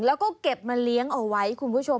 แล้วก็เก็บมาเลี้ยงเอาไว้คุณผู้ชม